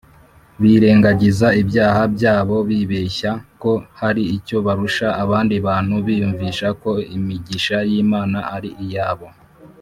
birengagiza ibyaha byabo. Bibeshya ko hari icyo barusha abandi bantu, biyumvisha ko imigisha y’Imana ari iyabo